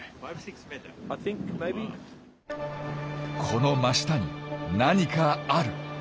この真下に何かある。